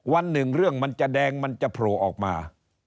วันหนึ่งเรื่องมันจะแดงมันจะโผล่ออกมา